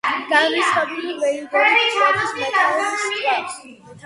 განრისხებული ვეიდერი ფლოტის მეთაურს კლავს.